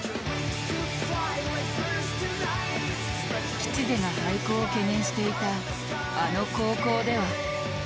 吉瀬が廃校を懸念していたあの高校では。